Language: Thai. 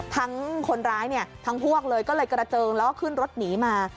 ทั้งคนร้ายเนี่ยทั้งพวกเลยก็เลยกระเจิงแล้วก็ขึ้นรถหนีมา